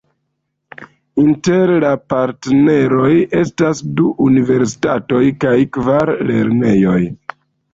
Inter la partneroj estas du universitatoj kaj kvar lernejoj.